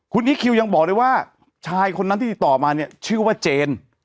คุณอีคคิวยังบอกเลยว่าชายคนนั้นที่ติดต่อมาเนี่ยชื่อว่าเจน